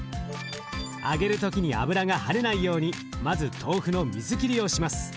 揚げる時に油が跳ねないようにまず豆腐の水切りをします。